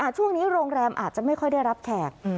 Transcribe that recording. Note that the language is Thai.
ช่วงนี้โรงแรมอาจจะไม่ค่อยได้รับแขก